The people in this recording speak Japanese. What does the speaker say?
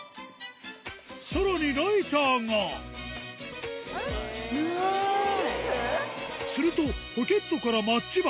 さらにライターがするとポケットからマッチ箱